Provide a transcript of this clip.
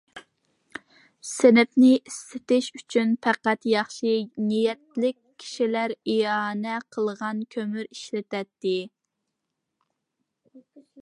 سىنىپنى ئىسسىتىش ئۈچۈن پەقەت ياخشى نىيەتلىك كىشىلەر ئىئانە قىلغان كۆمۈر ئىشلىتىلەتتى.